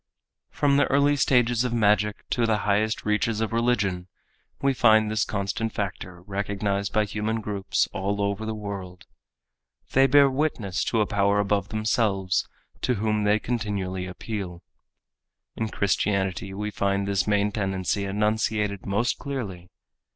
From the early stages of magic to the highest reaches of religion we find this constant factor recognized by human groups all over the world. They bear witness to a power above themselves to whom they continually appeal. In Christianity we find this main tendency enunciated most clearly.